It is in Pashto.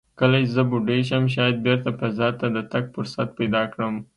کله چې زه بوډۍ شم، شاید بېرته فضا ته د تګ فرصت پیدا کړم."